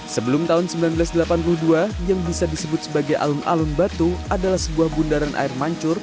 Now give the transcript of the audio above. sebelum tahun seribu sembilan ratus delapan puluh dua yang bisa disebut sebagai alun alun batu adalah sebuah bundaran air mancur